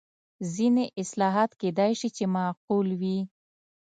ځینې اصلاحات کېدای شي چې معقول وي.